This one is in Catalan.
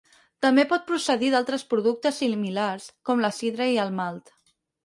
També pot procedir d'altres productes similars com la sidra i el malt.